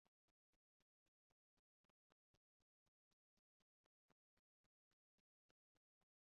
La volboj estas plataj.